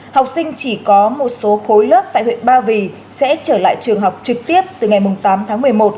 học sinh chỉ có một số khối lớp tại huyện ba vì sẽ trở lại trường học trực tiếp từ ngày tám tháng một mươi một